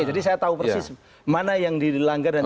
jadi saya tahu persis mana yang dilanggar